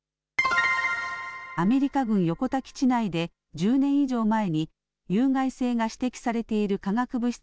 アメリカ軍横田基地内で１０年以上前に有害性が指摘されている化学物質